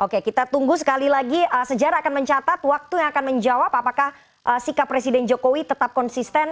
oke kita tunggu sekali lagi sejarah akan mencatat waktu yang akan menjawab apakah sikap presiden jokowi tetap konsisten